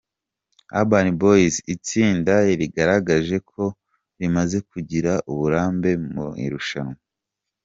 Urban Boyz, itsinda rigaragaje ko rimaze kugira uburambe mu irushanwa.